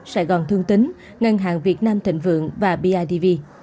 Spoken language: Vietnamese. sài gòn thương tính ngân hàng việt nam thịnh vượng và bidv